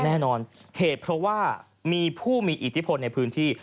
แน่นอนเหตุเพราะว่ามีผู้มีอิทธิพลในพื้นที่